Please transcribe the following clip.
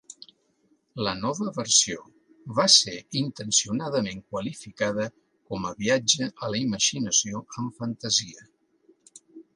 La nova versió va ser intencionadament qualificada com a viatge a la imaginació amb fantasia.